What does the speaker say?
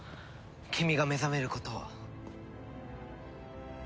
君が目覚めることを。